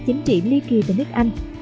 chính trị ly kỳ tại nước anh